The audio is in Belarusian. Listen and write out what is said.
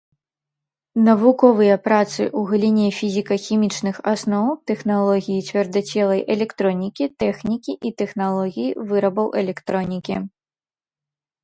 Навуковыя працы ў галіне фізіка-хімічных асноў тэхналогіі цвёрдацельнай электронікі, тэхнікі і тэхналогіі вырабаў электронікі.